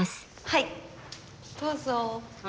はいどうぞ。